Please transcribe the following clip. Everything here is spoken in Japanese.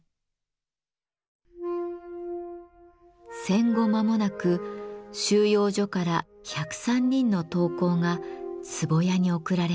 戦後まもなく収容所から１０３人の陶工が壺屋に送られました。